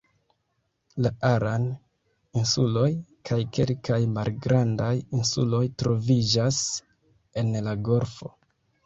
La Aran-insuloj kaj kelkaj malgrandaj insuloj troviĝas en la golfo.